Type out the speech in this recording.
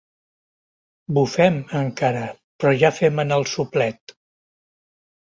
Bufem, encara, però ja fem anar el “soplet”.